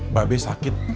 mbak be sakit